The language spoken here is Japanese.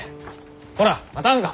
こら待たんか！